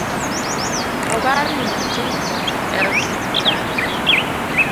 Obar i nyathi e osiptal